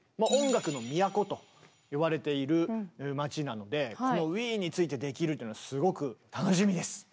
「音楽の都」といわれている街なのでこのウィーンについてできるというのはすごく楽しみです！